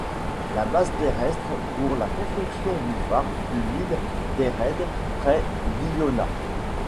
La base terrestre pour la construction du phare fut l'île d'Erraid près d'Iona.